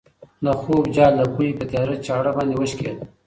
د خوب جال د پوهې په تېره چاړه باندې وشکېد.